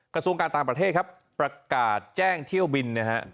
กระทรวงการต่างประเทศครับประกาศแจ้งเที่ยวบินนะฮะ